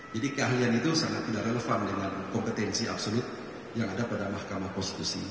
jadi keahlian itu sangat tidak relevan dengan kompetensi absolut yang ada pada mahkamah konstitusi